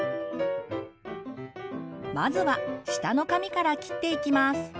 まずは下の髪から切っていきます。